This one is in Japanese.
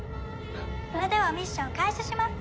それではミッション開始します。